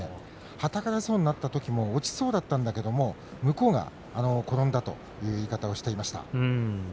はたかれそうになったときも落ちそうになったんだけれども向こうが転んだとそういう言い方をしていました。